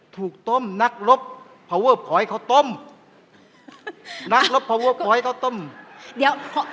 ถูกต้มนักรบพาวเวอร์พอร์ตเขาต้มนักรบพอเวอร์พอยต์เขาต้มเดี๋ยว